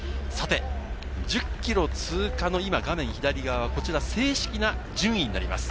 １０ｋｍ通過の今、画面左側、正式な順位になります。